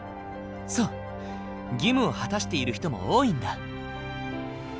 そう義務を果たしている人も多いんだ。